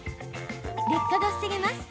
劣化が防げます。